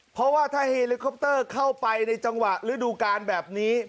เพราะว่าถ้าเฮลิคอปเตอร์เข้าไปในจังหวะฤดูการแบบนี้